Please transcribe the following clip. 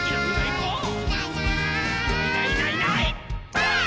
ばあっ！